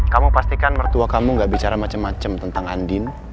kamu pastikan mertua kamu gak bicara macam macam tentang andin